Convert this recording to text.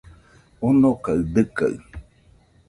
Onokaɨ dɨkaɨ